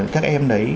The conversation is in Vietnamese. các em đấy